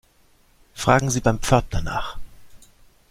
Fragen Sie beim Pförtner nach.